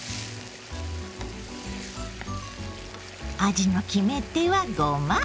味の決め手はごま。